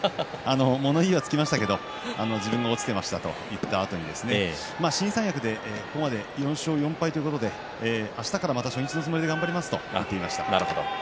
物言いはつきましたけど自分が落ちていましたと言ったあとに新三役でここまで４勝４敗ということであしたから、また初日のつもりで頑張りますと言っていました。